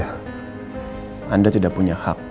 anda tidak punya hak